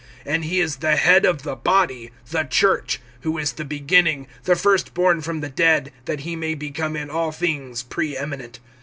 (18)And he is the head of the body, the church; who is the beginning, the first born from the dead; that he may become in all things pre eminent.